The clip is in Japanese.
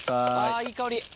あいい香り。